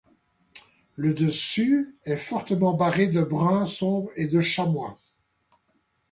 Le dessus est fortement barré de brun sombre et de chamois.